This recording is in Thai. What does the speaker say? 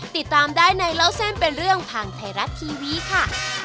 ติดตามได้ในเล่าเส้นเป็นเรื่องทางไทยรัฐทีวีค่ะ